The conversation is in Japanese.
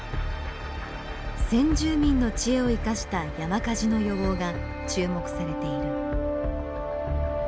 先住民の知恵を生かした山火事の予防が注目されている。